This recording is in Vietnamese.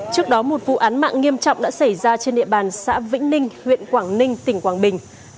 trước đó một vụ án mạng nghiêm trọng đã xảy ra trên địa bàn xã vĩnh ninh huyện quảng ninh tỉnh quảng bình